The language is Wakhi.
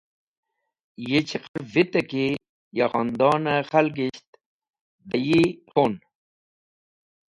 Yi chiqar vite ki ya khonadon-e khalgisht dẽ yi khun.